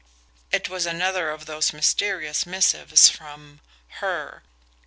It was another of those mysterious missives from HER.